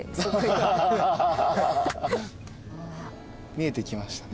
見えてきましたね。